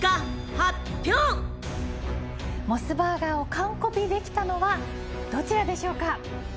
モスバーガーをカンコピできたのはどちらでしょうか？